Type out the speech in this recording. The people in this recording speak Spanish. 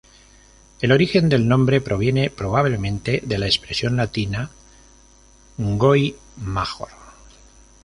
El origen del nombre proviene, probablemente, de la expresión latina "Goy Major".